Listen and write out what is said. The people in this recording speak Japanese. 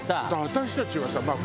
私たちはさまあ